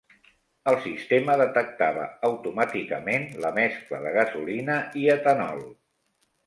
El sistema detectava automàticament la mescla de gasolina i etanol.